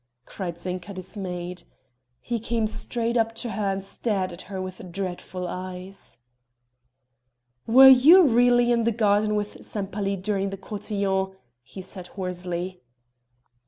cried Zinka dismayed. He came straight up to her and stared at her with dreadful eyes. "Were you really in the garden with Sempaly during the cotillon?" he said hoarsely.